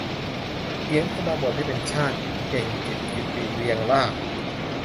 เขียนชนบทให้เป็นชาติ - เก่งกิจ กิติเรียงลาภ